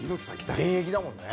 現役だもんね。